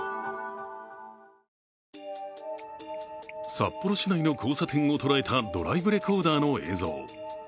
札幌市内の交差点を捉えたドライブレコーダーの映像。